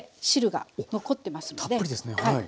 たっぷりですねはい。